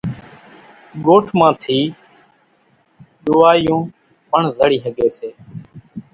ڳوٺ مان ٿِي ۮووايون پڻ زڙِي ۿڳيَ سي۔